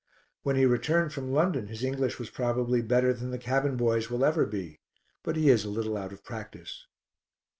When he returned from London his English was probably better than the cabin boy's will ever be, but he is a little out of practice.